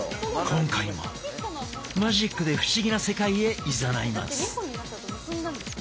今回もマジックで不思議な世界へいざないます！